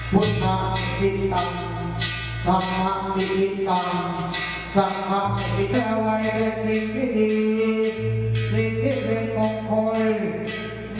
พุทธหลังที่ต่ำต่ำหลังที่ติดต่ำต่ำหลังที่เจ้าไหวและสิ่งที่ดีสิ่งที่เป็นต้องคอยมะอาต้องคอย